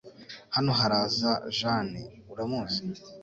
Hano haraza Jane .Uramuzi?